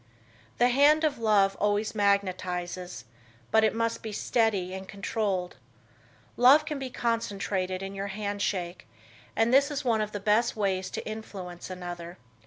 The hand of love always magnetizes, but it must be steady and controlled. Love can be concentrated in your hand shake, and this is one of the best ways to influence another.